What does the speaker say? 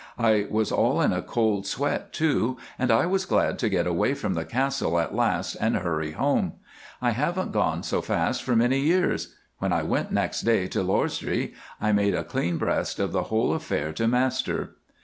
I was all in a cold sweat, too, and I was glad to get away from the Castle at last and hurry home. I haven't gone so fast for many years. When I went next day to Lausdree I made a clean breast of the whole affair to Master.